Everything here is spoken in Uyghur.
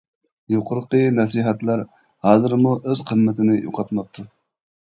يۇقىرىقى نەسىھەتلەر ھازىرمۇ ئۆز قىممىتىنى يوقاتماپتۇ.